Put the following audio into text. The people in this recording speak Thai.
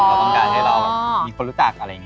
เราต้องการให้เรามีคนรู้จักอะไรอย่างนี้